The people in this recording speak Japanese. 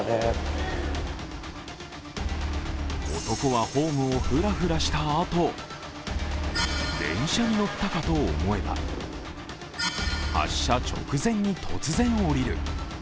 男はホームをふらふらしたあと電車に乗ったかと思えば発車直前に突然降りる。